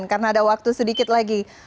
karena ada waktu sedikit lagi